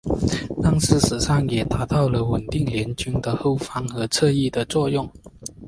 但事实上也达到稳定联军的后方和侧翼的作用。